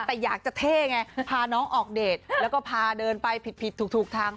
แต่อยากจะเท่ไงพาน้องออกเดทแล้วก็พาเดินไปผิดผิดถูกทาง